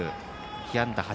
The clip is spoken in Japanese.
被安打は８。